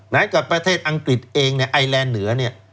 ไหนกับประเทศอังกฤษเองไอแลนด์เหนือ